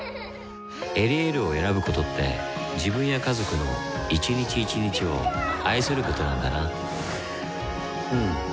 「エリエール」を選ぶことって自分や家族の一日一日を愛することなんだなうん。